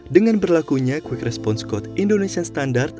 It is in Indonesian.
dengan berlakunya quick response code indonesia standard